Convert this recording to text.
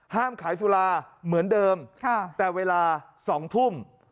ขายสุราเหมือนเดิมแต่เวลา๒ทุ่ม